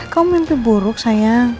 kamu mimpi buruk sayang